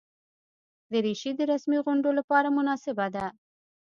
دریشي د رسمي غونډو لپاره مناسبه ده.